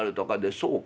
「そうか。